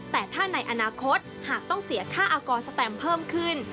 แต่ถ้าในอนาคตหากต้องเสียค่าอากรสแตมเพิ่มขึ้น